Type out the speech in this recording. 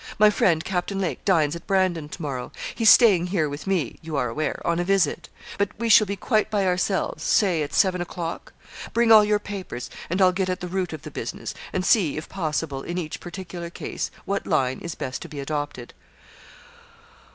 My friend, Captain Lake, dines at Brandon to morrow. He's staying here with me, you are aware, on a visit; but we shall be quite by ourselves, say at seven o'clock. Bring all your papers, and I'll get at the root of the business, and see, if possible, in each particular case, what line is best to be adopted.'